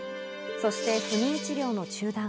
そして不妊治療の中断。